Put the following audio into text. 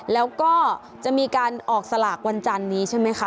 แล้วก็จะมีการออกสลากวันจันนี้ใช่ไหมคะ